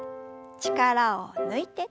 力を抜いて。